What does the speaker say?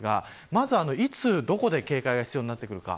まず、いつどこで警戒が必要になってくるか。